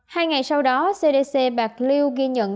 hai ngày sau đó cdc bạc liêu ghi nhận